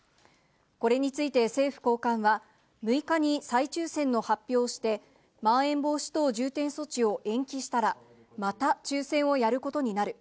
これについて政府高官は、６日に再抽せんの発表をして、まん延防止等重点措置を延期したら、また抽せんをやることになる。